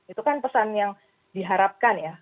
itu kan pesan yang diharapkan ya